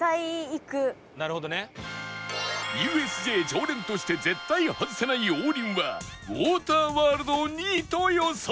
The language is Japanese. ＵＳＪ 常連として絶対外せない王林はウォーターワールドを２位と予想